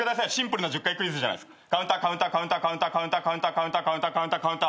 カウンターカウンターカウンターカウンターカウンターカウンターカウンターカウンターカウンターカウンター。